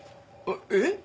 えっ？